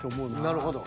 なるほど。